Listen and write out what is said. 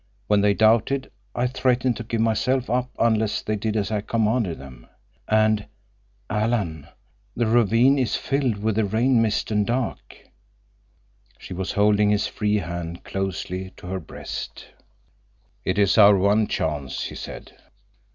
When they doubted, I threatened to give myself up unless they did as I commanded them. And—Alan—the ravine is filled with the rain mist, and dark—" She was holding his free hand closely to her breast. "It is our one chance," he said.